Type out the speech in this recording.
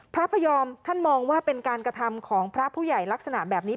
พระพยอมท่านมองว่าเป็นการกระทำของพระผู้ใหญ่ลักษณะแบบนี้